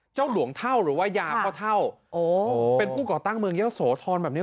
หลวงเท่าหรือว่ายาพ่อเท่าเป็นผู้ก่อตั้งเมืองเยอะโสธรแบบนี้